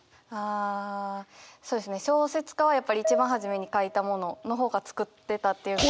あそうですね小説家はやっぱり一番初めに書いたものの方が作ってたっていうか。